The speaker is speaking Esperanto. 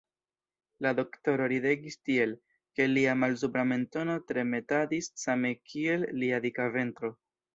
La doktoro ridegis tiel, ke lia malsupra mentono tremetadis same kiel lia dika ventro.